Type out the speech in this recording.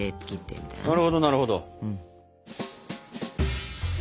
なるほどなるほど。